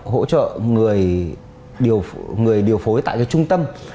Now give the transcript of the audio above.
hỗ trợ người điều phối tại trung tâm